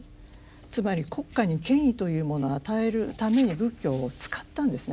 つまり国家に権威というものを与えるために仏教を使ったんですね。